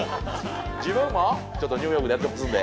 自分もちょっとニューヨークでやってますんで。